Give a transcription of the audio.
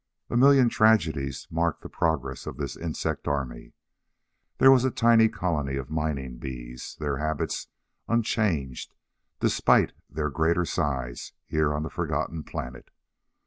A million tragedies marked the progress of the insect army. There was a tiny colony of mining bees, their habits unchanged despite their greater size, here on the forgotten planet.